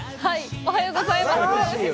おはようございます。